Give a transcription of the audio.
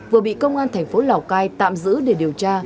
vừa bị công an thành phố lào cai tạm giữ để điều tra